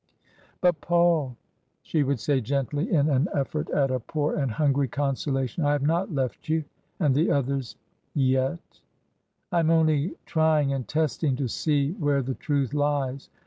" But, Paul," she would say gently, in an effort at a poor and hungry consolation, " I have not left you and the others — yet I am only trying and testing to see where the truth lies.